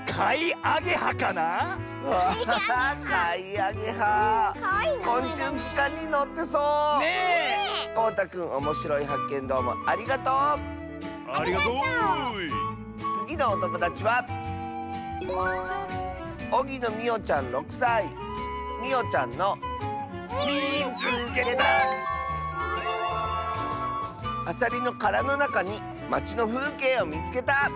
「アサリのからのなかにまちのふうけいをみつけた！」。